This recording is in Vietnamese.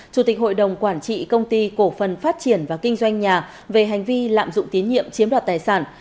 chủ tịch hội đồng quản trị công ty cổ phần phát triển và kinh doanh nhà về hành vi lạm dụng tín nhiệm chiếm đoạt tài sản